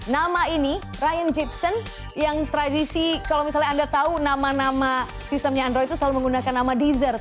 nama ini ryan giption yang tradisi kalau misalnya anda tahu nama nama sistemnya androi itu selalu menggunakan nama dessert